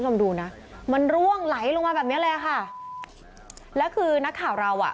ลองดูนะมันร่วงไหลลงมาแบบเนี้ยเลยอ่ะค่ะแล้วคือนักข่าวเราอ่ะ